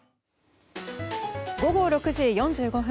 午後６時４５分。